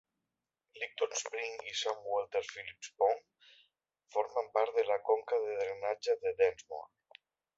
Licton Springs i Sunny Walter-Pillings Pond formen part de la conca de drenatge de Densmore.